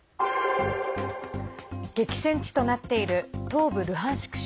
激戦地となっている東部ルハンシク